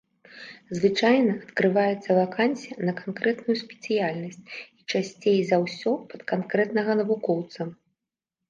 Звычайна адкрываецца вакансія на канкрэтную спецыяльнасць, і часцей за ўсё пад канкрэтнага навукоўца.